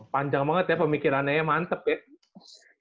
panjang banget ya pemikirannya mantep ya